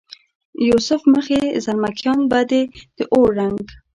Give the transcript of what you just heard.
یوسف مخې زلمکیان به دې د اور رنګ،